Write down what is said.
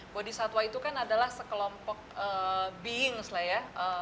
bodhisattva itu kan adalah sekelompok beings lah ya